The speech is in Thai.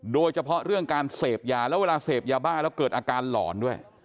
โดยเฉพาะเรื่องการเสพยาแล้วเวลาเสพยาบ้าแล้วเกิดอาการหลอนด้วย